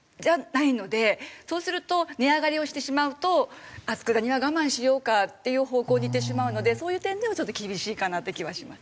そうすると値上がりをしてしまうと「佃煮は我慢しようか」っていう方向にいってしまうのでそういう点ではちょっと厳しいかなって気はします。